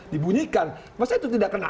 dibunyikan masa itu tidak kena